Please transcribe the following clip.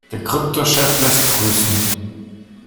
Der Kryptochef lässt grüßen.